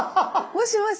もしもし。